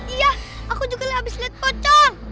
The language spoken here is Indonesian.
iya aku juga habis lihat pocong